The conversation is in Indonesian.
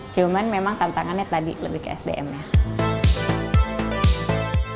cuma memang tantangannya tadi lebih ke sdm nya